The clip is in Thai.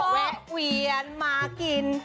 เหวียนมากิน